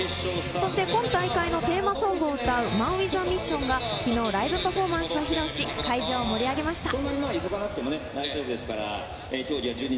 そして今大会のテーマソングを歌うＭＡＮＷＩＴＨＡＭＩＳＳＩＯＮが昨日ライブパフォーマンスを披露し、会場を盛り上げました。